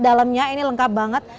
dalamnya ini lengkap banget